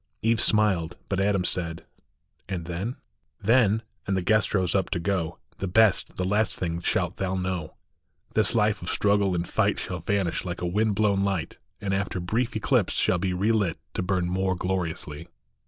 Eve smiled ; but Adam said, " And then? " WHAT THE ANGEL SAID. " Then " and the guest rose up to go " The best, the last thing shalt thou know : This life of struggle and of fight Shall vanish like a wind blown light ; And after brief eclipse shall be Re lit, to burn more gloriously.